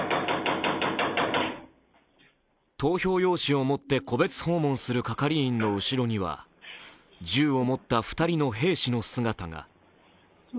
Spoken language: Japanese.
投票用紙を持って、戸別訪問する係員の後ろには銃を持った２人の兵士の姿が。